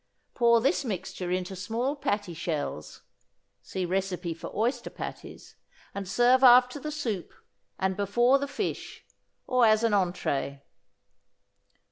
Pour this mixture in small patty shells (see recipe for oyster patties), and serve after the soup and before the fish, or as an entrée.